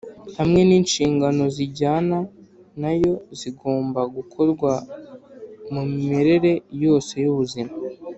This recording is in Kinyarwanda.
hamwe n’inshingano zijyana na yo z’ibigomba gukorwa mu mimerere yose y’ubuzima